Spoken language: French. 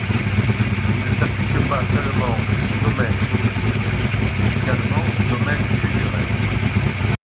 Il ne s’applique pas seulement aux domaines politiques, mais également au domaine culturel.